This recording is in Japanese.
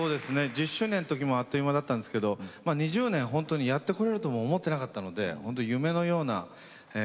１０周年の時もあっという間だったんですけど２０年ほんとにやってこれるとも思ってなかったのでほんと夢のような話で。